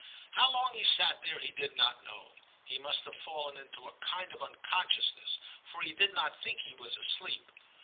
How long he sat there he did not know ; he must have fallen into a kind of unconsciousness, for he did not think he was asleep.